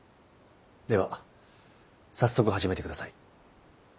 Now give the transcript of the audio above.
では早速始めてください。